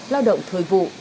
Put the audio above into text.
lao động thời vụ